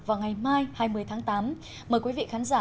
vào ngày mai hai mươi tháng tám mời quý vị khán giả